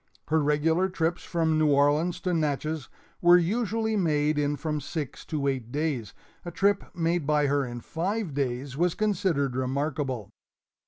Her regular trips from New Orleans to Natchez were usually made in from six to eight days; a trip made by her in five days was considered remarkable.